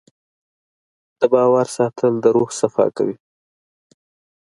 د باور ساتل د روح صفا کوي.